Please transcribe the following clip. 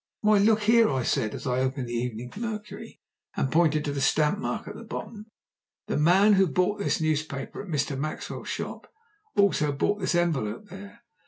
"Why, look here!" I said, as I opened the Evening Mercury and pointed to the stamp mark at the bottom. "The man who bought this newspaper at Mr. Maxwell's shop also bought this envelope there.